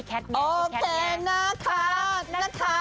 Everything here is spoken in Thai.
โอเคนะคะ